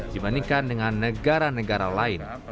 dibandingkan dengan negara negara lain